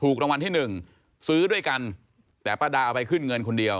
รางวัลที่หนึ่งซื้อด้วยกันแต่ป้าดาเอาไปขึ้นเงินคนเดียว